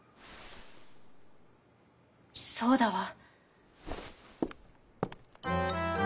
「そうだわ」。